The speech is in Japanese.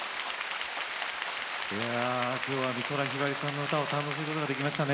美空ひばりさんの歌も堪能することができましたね。